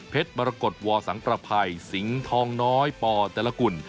เพชรมรกฏวอสังประภัยสิงห์ทองน้อยปอแต่ละกุล